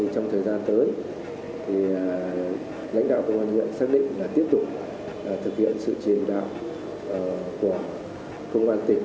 trong thời gian tới lãnh đạo công an huyện xác định là tiếp tục thực hiện sự chỉ đạo của công an tỉnh